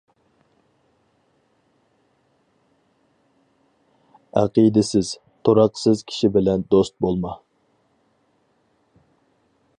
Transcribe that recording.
ئەقىدىسىز، تۇراقسىز كىشى بىلەن دوست بولما.